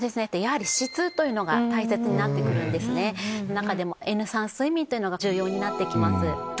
中でもＮ３睡眠というのが重要になってきます。